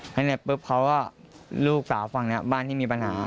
ครั้งนี้ปุ๊บเขาก็ลูกสาวฝั่งเนี่ยบ้านที่มีปัญหา